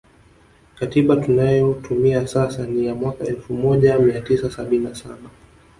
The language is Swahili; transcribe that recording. Katiba tunayotumia sasa ni ya mwaka elfu moja mia tisa sabini na saba